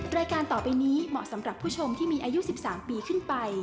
รายการต่อไปนี้เหมาะสำหรับผู้ชมที่มีอายุ๑๓ปีขึ้นไป